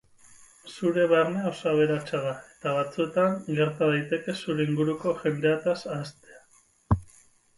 Zure barnea oso aberatsa da eta batzuetan egrta daiteke zure inguruko jendeataz ahaztea.